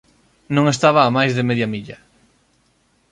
Non estaba a máis de media milla.